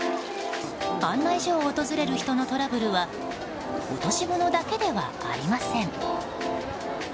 案内所を訪れる人のトラブルは落とし物だけではありません。